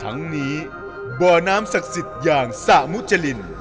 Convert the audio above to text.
ทั้งนี้บ่อน้ำศักดิ์สิทธิ์อย่างสระมุจริน